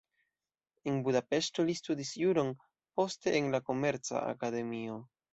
En Budapeŝto li studis juron, poste en la komerca akademio.